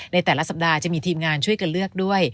ในแต่ละสัปดาห์จะมีทีมงานช่วยกันเลือกด้วย